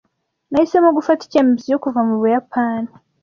Nahisemo gufata icyemezo cyo kuva mu Buyapani.